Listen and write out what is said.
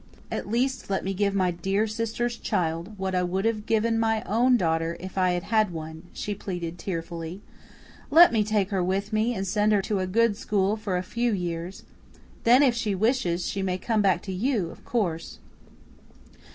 "At least let me give my dear sister's child what I would have given my own daughter if I had had one," she pleaded tearfully. "Let me take her with me and send her to a good school for a few years. Then, if she wishes, she may come back to you, of course."